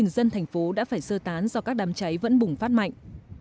một mươi bốn dân thành phố đã phải sơ tán do các đám cháy vẫn bùng phát mạnh